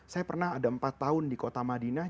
saya pernah ada empat tahun di kota madinah